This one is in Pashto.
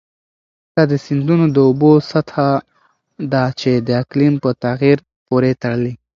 دا د سیندونو د اوبو سطحه ده چې د اقلیم په تغیر پورې تړلې.